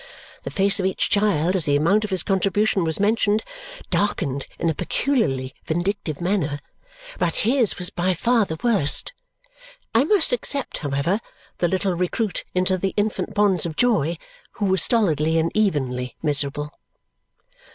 The face of each child, as the amount of his contribution was mentioned, darkened in a peculiarly vindictive manner, but his was by far the worst. I must except, however, the little recruit into the Infant Bonds of Joy, who was stolidly and evenly miserable.